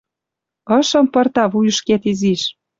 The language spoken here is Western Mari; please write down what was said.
Ышым пырта вуйышкет изиш».